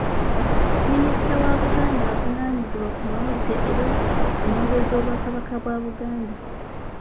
Minisita wa Buganda avunaanyizibwa ku mawulire era omwogezi w’Obwakabaka bwa Buganda.